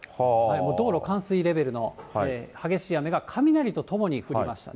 道路冠水レベルの激しい雨が雷とともに降りましたね。